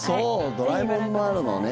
「ドラえもん」もあるのね。